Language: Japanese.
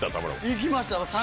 行きました！